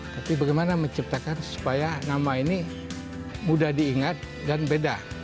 tapi bagaimana menciptakan supaya nama ini mudah diingat dan beda